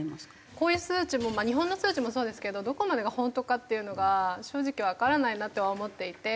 こういう数値もまあ日本の数値もそうですけどどこまでが本当かっていうのが正直わからないなとは思っていて。